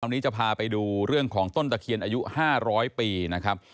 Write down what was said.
วันนี้จะพาไปดูเรื่องของต้นตะเคียนอายุ๕๐๐ปีนะครับ